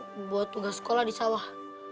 binatang buat tugas sekolah di sawah